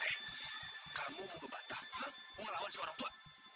eh kamu mau ngebantah mau ngelawan sama orang tua